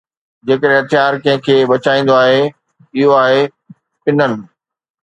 جيڪڏھن ھٿيار ڪنھن کي بچائيندو آھي، اھو آھي پنن